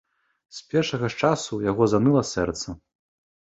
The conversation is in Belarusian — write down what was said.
З першага ж часу ў яго заныла сэрца.